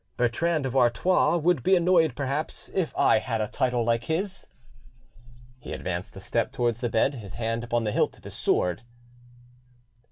"Bertrand of Artois would be annoyed perhaps if I had a title like his." He advanced a step towards the bed, his hand upon the hilt of his sword.